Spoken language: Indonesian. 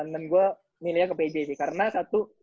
dan gue milihnya ke pyg sih karena satu